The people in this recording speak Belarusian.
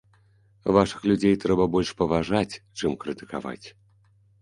Вашых людзей трэба больш паважаць, чым крытыкаваць.